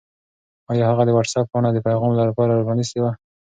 آیا هغه د وټس-اپ پاڼه د پیغام لپاره پرانستې وه؟